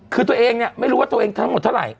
คือตัวเองเนี่ยไม่รู้ว่าตัวเองทั้งหมดเท่าไหร่